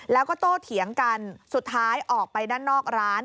แล้วก็โตเถียงกันสุดท้ายออกไปด้านนอกร้าน